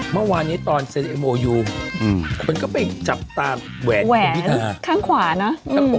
เมื่อวานนี้ตอนเซลล์เอ็มโอยูอืมคนก็ไปจับตาแหวนแหวนข้างขวานะอืม